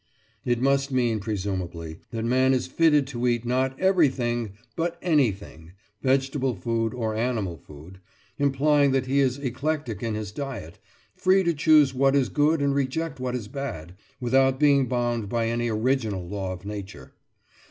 It must mean, presumably, that man is fitted to eat not everything, but anything—vegetable food or animal food—implying that he is eclectic in his diet, free to choose what is good and reject what is bad, without being bound by any original law of nature.